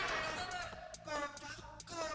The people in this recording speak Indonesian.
tidak tidak tidak